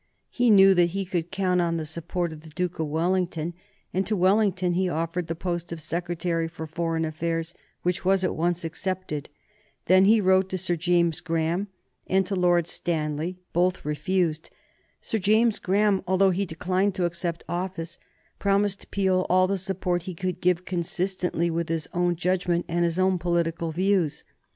He knew that he could count on the support of the Duke of Wellington, and to Wellington he offered the post of Secretary for Foreign Affairs, which was at once accepted. Then he wrote to Sir James Graham and to Lord Stanley. Both refused. Sir James Graham, although he declined to accept office, promised Peel all the support he could give consistently with his own judgment and his own political views.